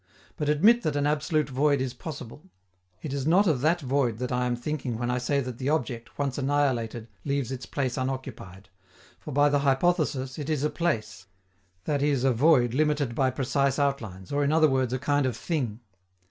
But admit that an absolute void is possible: it is not of that void that I am thinking when I say that the object, once annihilated, leaves its place unoccupied; for by the hypothesis it is a place, that is a void limited by precise outlines, or, in other words, a kind of thing.